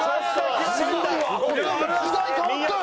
時代変わったよ！